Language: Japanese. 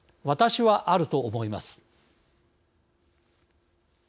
私はあると思います。